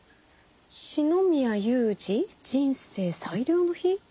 「四宮裕二人生最良の日」？